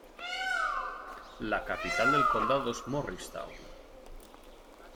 La capital del condado es Morristown.